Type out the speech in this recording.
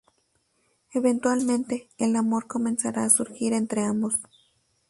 Eventualmente, el amor comenzará a surgir entre ambos.